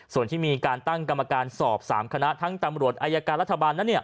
ส่วนที่มีการตั้งกรรมการสอบ๓คณะทั้งตำรวจอายการรัฐบาลนั้น